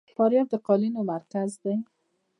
فاریاب د قالینو مرکز دی